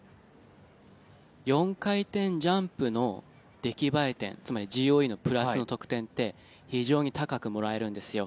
４回転ジャンプの出来栄え点つまりＧＯＥのプラスの得点って非常に高くもらえるんですよ。